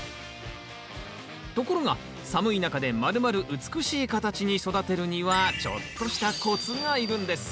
ところが寒い中でまるまる美しい形に育てるにはちょっとしたコツがいるんです。